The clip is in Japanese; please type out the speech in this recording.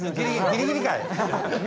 ギリギリかい！